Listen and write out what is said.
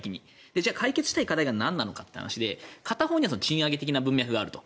じゃあ解決したい課題が何なのかというので片方には減税的な文脈があると。